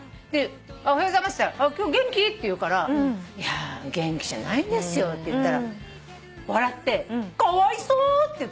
おはようございますって言ったら「今日元気？」って言うからいや元気じゃないんですよって言ったら笑って「かわいそう」って言ったの。